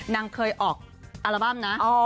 นางเคยออกอัลบั้มนะ